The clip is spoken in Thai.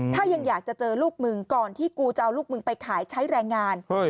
ถ้ายังอยากจะเจอลูกมึงก่อนที่กูจะเอาลูกมึงไปขายใช้แรงงาน